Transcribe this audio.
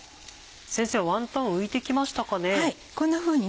先生ワンタン浮いて来ましたかね。